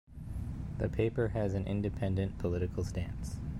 The paper has an independent political stance.